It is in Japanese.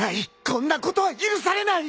こんなことは許されない！